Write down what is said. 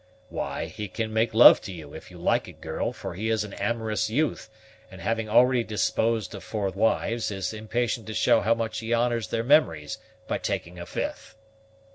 "Why, he can make love to you, if you like it, girl; for he is an amorous youth, and, having already disposed of four wives, is impatient to show how much he honors their memories by taking a fifth."